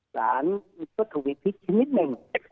ศาลพิกษชนิดหนึ่ง